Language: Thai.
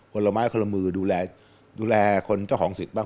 ละไม้คนละมือดูแลดูแลคนเจ้าของสิทธิ์บ้าง